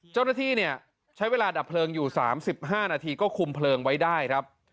เจ้าหน้าที่เนี่ยใช้เวลาดับเพลิงอยู่๓๕นาทีก็คุมเพลิงไว้ได้ครับ